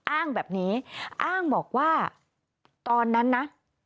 อ้างแบบนี้อ้างบอกว่าตอนนั้นนะ